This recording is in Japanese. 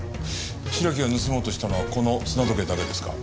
白木が盗もうとしたのはこの砂時計だけですか？